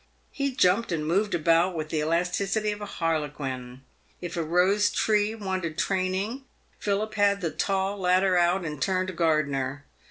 He jumped and moved about with the elasticity of a harlequin. If a rose tree wanted training, Phil had the tall ladder out and turned gardener.